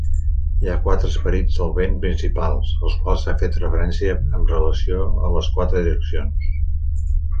Hi ha quatre esperits del vent principals, als quals s'ha fet referència amb relació a les quatre direccions.